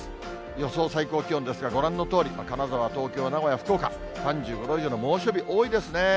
予想最高気温ですが、ご覧のとおり、金沢、東京、名古屋、福岡、３５度以上の猛暑日、多いですね。